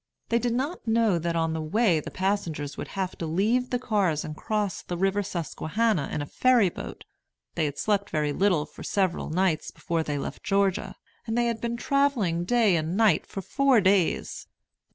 They did not know that on the way the passengers would have to leave the cars and cross the river Susquehanna in a ferry boat. They had slept very little for several nights before they left Georgia, and they had been travelling day and night for four days.